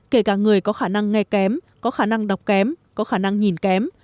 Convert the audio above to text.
kể cả người có khả năng nghe kém có khả năng đọc kém có khả năng nhìn kém